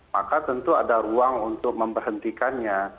maka tentu ada ruang untuk memberhentikannya